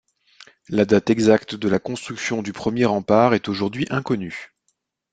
La date exacte de la construction du premier rempart est aujourd'hui inconnue.